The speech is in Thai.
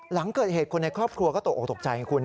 หลังเกิดเหตุคนในครอบครัวก็ตกออกตกใจคุณ